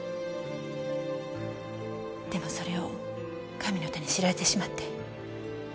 でもそれを神の手に知られてしまって。